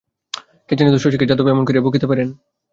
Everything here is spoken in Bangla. কে জানিত শশীকে যাদব এমন করিয়া বকিতে পারেন!